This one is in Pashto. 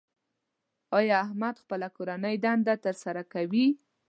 ایا احمد خپله کورنۍ دنده تر سره کوي؟